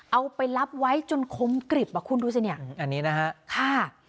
เอาไปรับไว้จนคงกริบเธอคุณดูสิอันนี้นะคะ